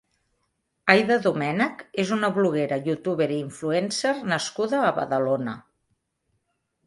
Aida Domènech és una bloguera, youtuber i influencer nascuda a Badalona.